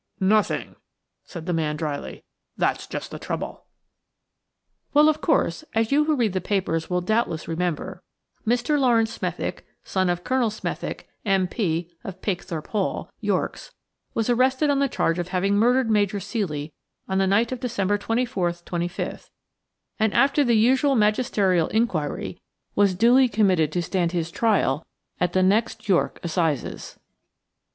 "Nothing," said the man dryly; "that's just the trouble." Well, of course, as you who read the papers will doubtless remember, Mr. Laurence Smethick, son of Colonel Smethick, M.P., of Pakethorpe Hall, Yorks, was arrested on the charge of having murdered Major Ceely on the night of December 24th 25th, and, after the usual magisterial inquiry, was duly committed to stand his trial at the next York assizes.